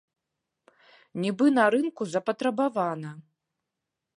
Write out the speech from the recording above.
Нібы на рынку запатрабавана.